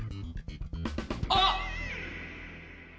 あっ！